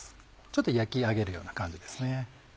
ちょっと焼き上げるような感じですね。